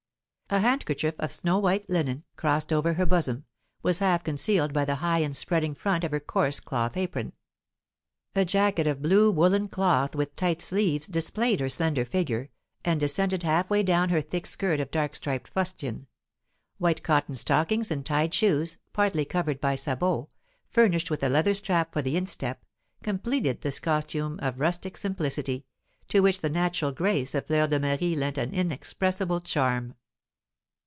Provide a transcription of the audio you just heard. A handkerchief of snow white linen, crossed over her bosom, was half concealed by the high and spreading front of her coarse cloth apron. A jacket of blue woollen cloth with tight sleeves displayed her slender figure, and descended half way down her thick skirt of dark striped fustian; white cotton stockings and tied shoes, partly covered by sabots, furnished with a leather strap for the instep, completed this costume of rustic simplicity, to which the natural grace of Fleur de Marie lent an inexpressible charm.